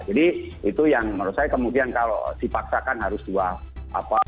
jadi itu yang menurut saya kemudian kalau dipaksakan harus dua huruf